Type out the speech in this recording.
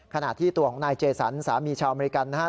ขณะที่ตัวของนายเจสันสามีชาวอเมริกันนะครับ